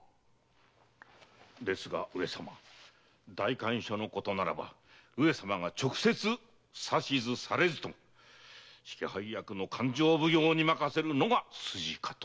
ですが上様代官所のことならば上様が直接指図されずとも支配役の勘定奉行に任せるのが筋かと。